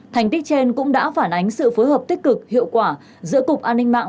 thành tích trên cũng đã phản ánh sự phối hợp tích cực hiệu quả giữa cục an ninh mạng